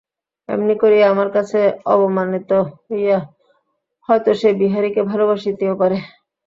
এমনি করিয়া আমার কাছে অবমানিত হইয়া হয়তো সে বিহারীকে ভালোবাসিতেও পারে।